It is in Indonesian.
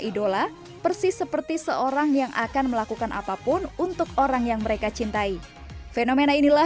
idola persis seperti seorang yang akan melakukan apapun untuk orang yang mereka cintai fenomena inilah